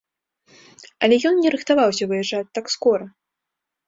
Але ён не рыхтаваўся выязджаць так скора.